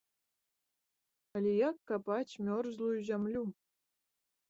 Але як капаць мёрзлую зямлю?